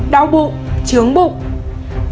bảy đau bụng chướng bụng